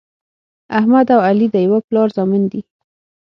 احمد او علي د یوه پلار زامن دي.